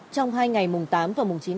trong hai ngày mùng tám và mùng chín